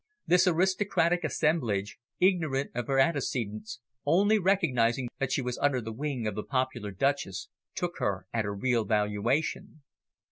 This aristocratic assemblage, ignorant of her antecedents, only recognising that she was under the wing of the popular Duchess, took her at her real valuation.